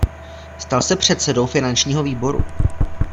Stal se předsedou finančního výboru.